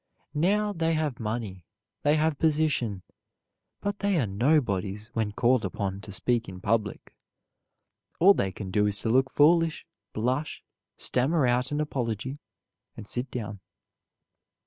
Now they have money, they have position, but they are nobodies when called upon to speak in public. All they can do is to look foolish, blush, stammer out an apology and sit down.